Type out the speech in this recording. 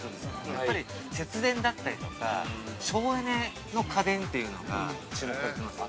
やっぱり節電だったりとか、省エネの家電が注目を集めています。